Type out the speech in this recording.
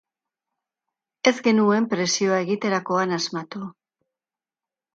Ez genuen presioa egiterakoan asmatu.